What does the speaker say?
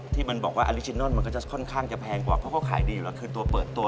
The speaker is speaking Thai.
ที่มันบอกว่าอลิจินอนมันก็จะค่อนข้างจะแพงกว่าเพราะเขาขายดีอยู่แล้วคือตัวเปิดตัว